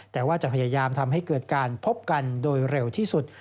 แต่ว่าจะพยายามทำให้เกิดการพบกันโดยเร็วที่สุด